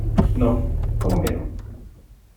no. ¿ como que no?